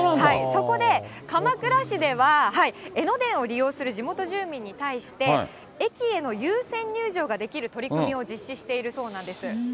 そこで、鎌倉市では、江ノ電を利用する地元住民に対して、駅への優先入場ができる取り組みを実施しているそうなんです。